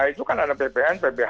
itu kan ada ppn pph